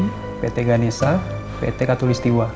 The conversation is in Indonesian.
pt kusuma bakti pt ganesha pt katholik setiwa